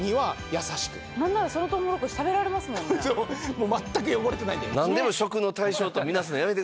もう全く汚れてないので。